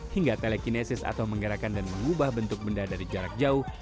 hingga telekinesis atau menggerakkan dan mengubah bentuk benda dari jarak jauh